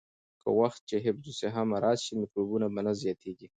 هغه وخت چې حفظ الصحه مراعت شي، میکروبونه به نه زیاتېږي.